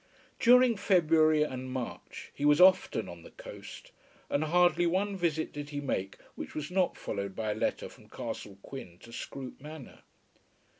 During February and March he was often on the coast, and hardly one visit did he make which was not followed by a letter from Castle Quin to Scroope Manor.